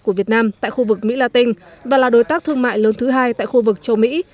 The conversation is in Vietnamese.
của việt nam tại khu vực mỹ la tinh và là đối tác thương mại lớn thứ hai tại khu vực châu mỹ